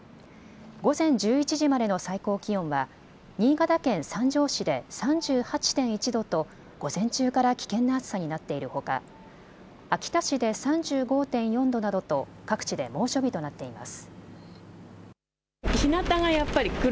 午前１１時までの最高気温は新潟県三条市で３８．１度と午前中から危険な暑さになっているほか秋田市で３５．４度などと各地で猛暑日となっています。